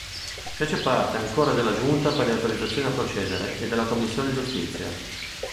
Fece parte ancora della Giunta per le autorizzazioni a procedere e della commissione Giustizia.